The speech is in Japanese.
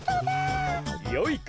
よいか！